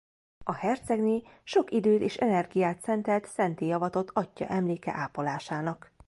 A hercegné sok időt és energiát szentelt szentté avatott atyja emléke ápolásának.